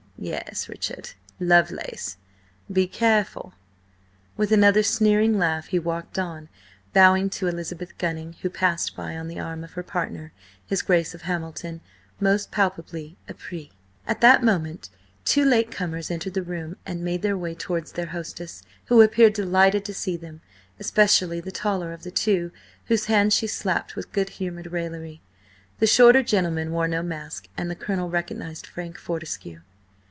Yes, Richard, Lovelace! Be careful!" With another sneering laugh he walked on, bowing to Elizabeth Gunning, who passed by on the arm of her partner, his Grace of Hamilton, most palpably épris. At that moment two late comers entered the room and made their way towards their hostess, who appeared delighted to see them, especially the taller of the two, whose hand she slapped with good humoured raillery. The shorter gentleman wore no mask, and the Colonel recognised Frank Fortescue.